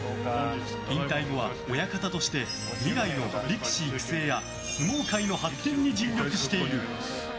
引退後は親方として未来の力士育成や相撲界の発展に尽力している。